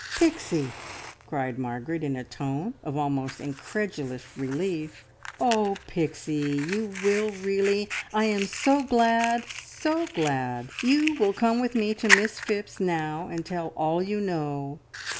"Pixie!" cried Margaret, in a tone of almost incredulous relief. "Oh, Pixie, you will really! I am so glad, so glad! You will come with me to Miss Phipps now, and tell all you know!"